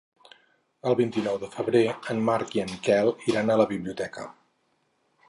El vint-i-nou de febrer en Marc i en Quel iran a la biblioteca.